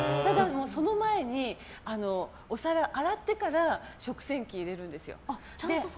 その前にお皿を洗ってから食洗機に入れるんですよ。